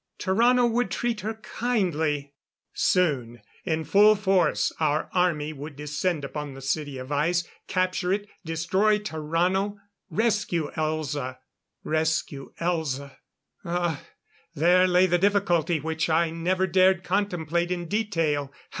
Tarrano would treat her kindly. Soon, in full force, our army would descend upon the City of Ice, capture it, destroy Tarrano rescue Elza. Rescue Elza! Ah, there lay the difficulty which I never dared contemplate in detail.